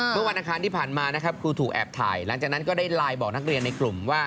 เมื่อวันอังคารที่ผ่านมานะครับครูถูกแอบถ่ายหลังจากนั้นก็ได้ไลน์บอกนักเรียนในกลุ่มว่า